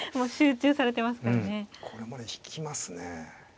これも引きますね。